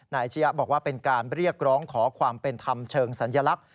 อาชียะบอกว่าเป็นการเรียกร้องขอความเป็นธรรมเชิงสัญลักษณ